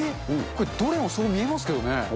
これ、どれもそう見えますけどね。